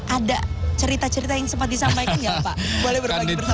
ada cerita cerita yang sempat disampaikan ya pak